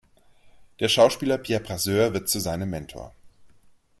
Der Schauspieler Pierre Brasseur wird zu seinem Mentor.